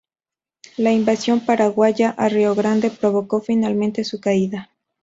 La invasión paraguaya a Rio Grande provocó finalmente su caída.